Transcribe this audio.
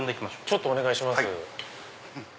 ちょっとお願いします。